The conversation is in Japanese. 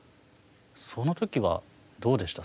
そのときはどうでした？